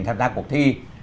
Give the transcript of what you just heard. tham gia cuộc thi